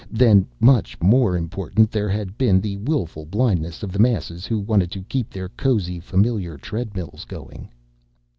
Then, much more important, there had been the willful blindness of the masses who wanted to keep their cozy, familiar treadmills going.